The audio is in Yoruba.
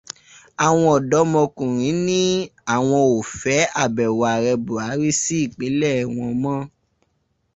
Àwọn ọ̀dọ́mọkùnrin ní àwọ́n ò fẹ́ àbẹ̀wò Ààrẹ Bùhárí sí ìpínlẹ̀ wọn mọ́